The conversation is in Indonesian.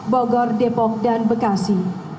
bogor depok dan bekasi